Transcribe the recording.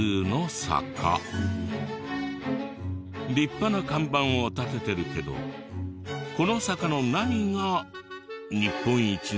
立派な看板を立ててるけどこの坂の何が日本一なのか？